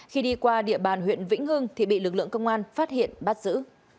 khi đi qua địa bàn huyện vĩnh hưng thì bị lực lượng công an phát hiện bắt giữ